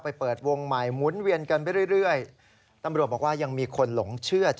ไปเปิดวงใหม่วุ้นเวียนกันไปเรื่อย